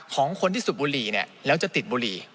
ของคนที่สูบบุหรี่เนี่ยแล้วจะติดบุหรี่